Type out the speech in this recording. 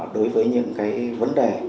đối với những cái vấn đề